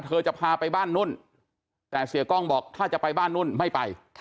จะพาไปบ้านนุ่นแต่เสียกล้องบอกถ้าจะไปบ้านนุ่นไม่ไป